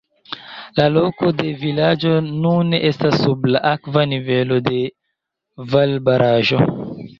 La loko de vilaĝo nune estas sub la akva nivelo de valbaraĵo.